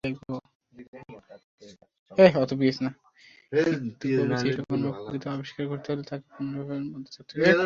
কিন্তু কবির সৃষ্টিকর্মকে প্রকৃত আবিষ্কার করতে হলে তাঁকে পূর্ণরূপের মধ্যে দেখতে হবে।